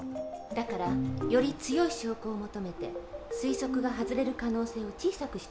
だからより強い証拠を求めて推測が外れる可能性を小さくしていくの。